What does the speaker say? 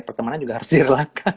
pertemanan juga harus direlakan